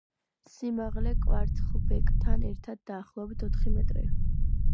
სიმაღლე კვარცხლბეკთან ერთად დაახლოებით ოთხი მეტრია.